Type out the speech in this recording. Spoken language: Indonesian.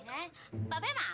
mbak be mau